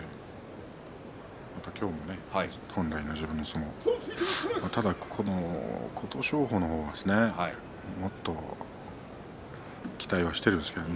また今日も本来の自分の相撲をただ、琴勝峰の方がもっと期待はしているんですけれどね。